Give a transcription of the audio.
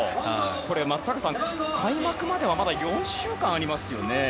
松坂さん、開幕までは４週間ありますよね。